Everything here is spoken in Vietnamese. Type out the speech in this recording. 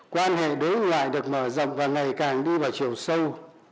quan hệ đối ngoại được mở rộng và ngày càng đi vào chiều sâu